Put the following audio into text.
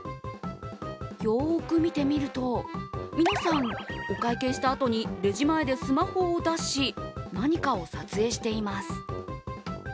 よく見てみると、皆さん、お会計したあとにレジ前でスマホを出し何かを撮影しています。